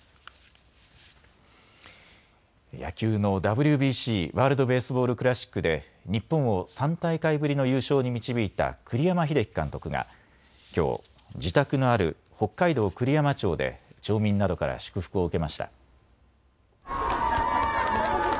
野球のＷＢＣ・ワールド・ベースボール・クラシックで日本を３大会ぶりの優勝に導いた栗山英樹監督がきょう自宅のある北海道栗山町で町民などから祝福を受けました。